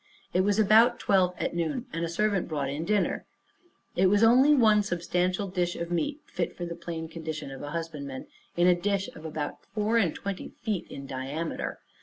It was about twelve at noon and a servant brought in dinner. It was only one substantial dish of meat (fit for the plain condition of a husbandman), in a dish of about four and twenty feet in diameter.